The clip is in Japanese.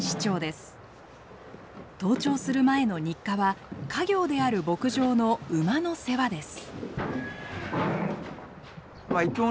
登庁する前の日課は家業である牧場の馬の世話です。